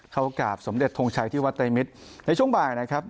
เข้ากราบสมเด็จทงชัยที่วัดไตรมิตรในช่วงบ่ายนะครับ